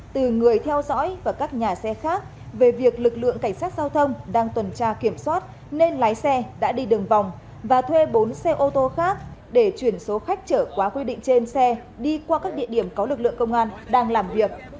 từ người theo dõi và các nhà xe khác về việc lực lượng cảnh sát giao thông đang tuần tra kiểm soát nên lái xe đã đi đường vòng và thuê bốn xe ô tô khác để chuyển số khách trở quá quy định trên xe đi qua các địa điểm có lực lượng công an đang làm việc